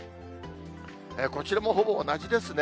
こちらもほぼ同じですね。